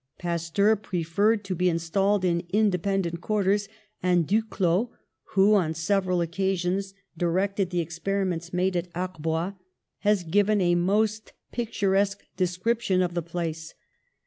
Pasteur preferred to be installed in independent quarters; and Duclaux, who on several occa sions directed the experiments made at Arbois, has given a most picturesque description of the place.